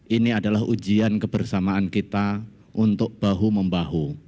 ini adalah ujian kebersamaan kita untuk bahu membahu